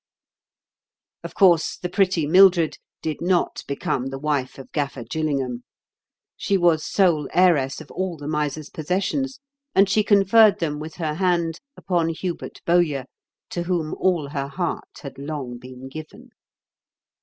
Of course the pretty Mildred did not become the wife of Gaffer Gillingham. She was sole heiress of all the miser's possessions, and she conferred them, with her hand, upon Hubert Bowyer, to whom all her heart had long been given.